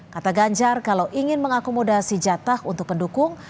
kata ganjar kalau ingin mengakomodasi jatah untuk pendukung